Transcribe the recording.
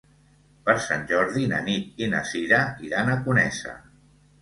Per Sant Jordi na Nit i na Sira iran a Conesa.